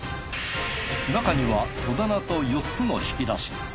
中には戸棚と４つの引き出し。